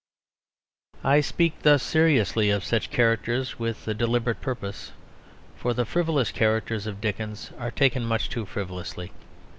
I speak thus seriously of such characters with a deliberate purpose; for the frivolous characters of Dickens are taken much too frivolously.